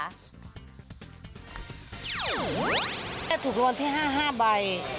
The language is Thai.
คุณแม่ถูกรวมที่๕๕ใบ